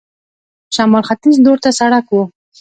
شمال ختیځ لور ته سړک و.